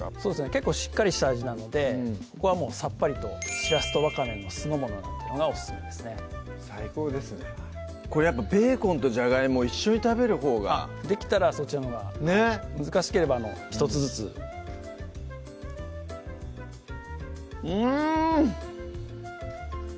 結構しっかりした味なのでここはもうさっぱりと「しらすとわかめの酢のもの」なんてのがオススメですね最高ですねやっぱベーコンとじゃがいも一緒に食べるほうができたらそっちのほうがねっ難しければ１つずつうん！